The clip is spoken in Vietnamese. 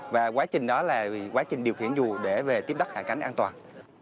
và quá trình đó là quá trình điều khiển dù để về tiếp đất hạ cánh an toàn